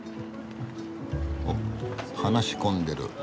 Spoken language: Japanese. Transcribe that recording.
お話し込んでる。